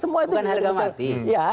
bukan harga mati